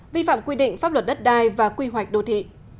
vi phạm quy định pháp luật đất đai và quy hoạch đô thị